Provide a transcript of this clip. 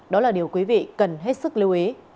đó là điều quý vị cần hết sức lưu ý